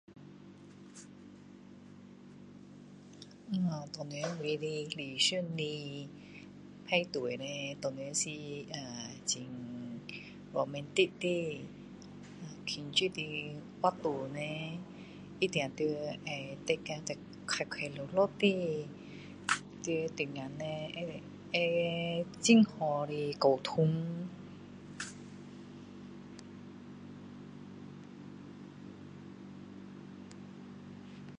那样，当然我理想的派对哩当然是[ehh]很romantic的，庆祝的活动呢，一定都要大家快快乐乐的。在当中呢，会有很好的沟通。